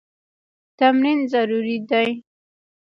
تمرین ضروري دی.